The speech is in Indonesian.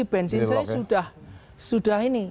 benzin saya sudah ini